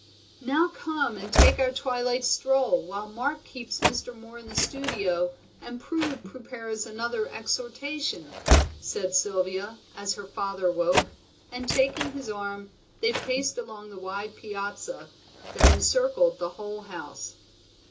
"Now come and take our twilight stroll, while Mark keeps Mr. Moor in the studio and Prue prepares another exhortation," said Sylvia, as her father woke, and taking his arm, they paced along the wide piazza that encircled the whole house.